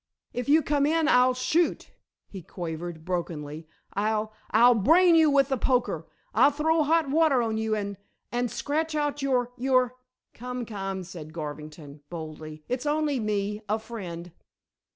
"If you come in I'll shoot," he quavered, brokenly. "I'll I'll brain you with the poker. I'll throw hot water on you, and and scratch out your your " "Come, come," said Garvington, boldly. "It's only me a friend!"